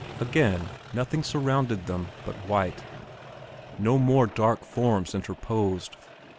Again, nothing surrounded them but white, no more dark forms interposed.